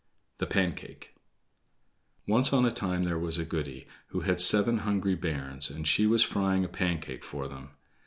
The Pancake Once on a time there was a goody who had seven hungry bairns, and she was frying a Pancake for them.